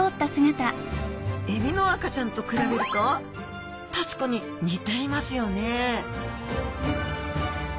エビの赤ちゃんと比べると確かに似ていますよね